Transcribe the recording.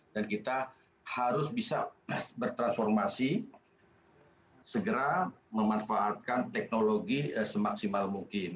dan kita harus bisa bertransformasi segera memanfaatkan teknologi semaksimal mungkin